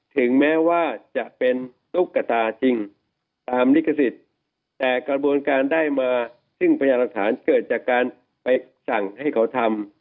ถึงแม้ว่าจะเป็นตุ๊กตาจริงตามลิขสิทธิ์แต่กระบวนการได้มาซึ่งพยานหลักฐานเกิดจากการไปสั่งให้เขาทำ